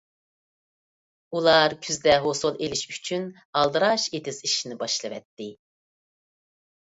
ئۇلار كۈزدە مول ھوسۇل ئېلىش ئۈچۈن ئالدىراش ئېتىز ئىشىنى باشلىۋەتتى.